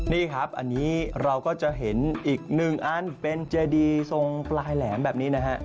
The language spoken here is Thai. นี่ครับอันนี้เราก็จะเห็นอีกหนึ่งอันเป็นเจดีทรงปลายแหลมแบบนี้นะฮะ